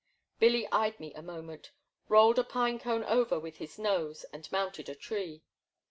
Billy eyed me a moment, rolled a pine cone over with his nose, and mounted a tree.